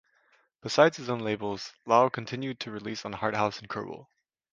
Besides his own labels Laux continued to release on "Harthouse" and "Kurbel".